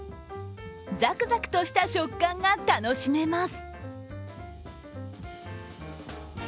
ザクザクとした食感が楽しめます。